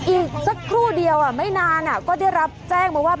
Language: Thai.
อีกสักครู่เดียวไม่นานก็ได้รับแจ้งมาว่า